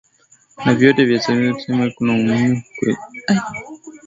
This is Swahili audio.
ma vyote saba tuseme kunaumuhimu wa kuestablish hiyo tofauti